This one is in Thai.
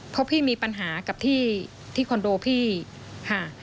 เพราะพี่มีปัญหากับที่คอนโดพี่ค่ะ